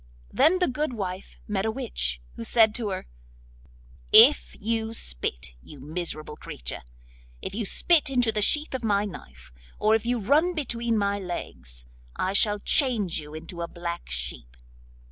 Then the good wife met a witch, who said to her: 'If you spit, you miserable creature, if you spit into the sheath of my knife, or if you run between my legs, I shall change you into a black sheep.